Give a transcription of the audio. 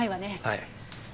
はい。